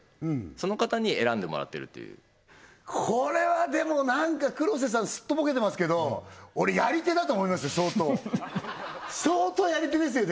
その方に選んでもらってるっていうこれはでも何か黒瀬さんすっとぼけてますけど俺やり手だと思いますよ相当相当やり手ですよね？